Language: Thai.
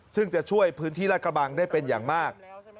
ซึ่งจะช่วยพื้นที่รัฐกระบังได้เป็นอย่างมาก